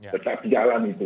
tetap jalan itu